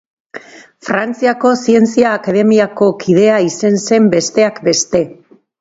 Frantziako Zientzia Akademiako kidea izen zen, besteak beste.